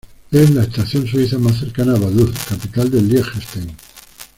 Es la estación suiza más cercana a Vaduz, capital de Liechtenstein.